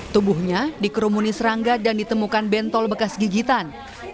tubuhnya dikerumuni serangga dan ditemukan bentol bekas gigitan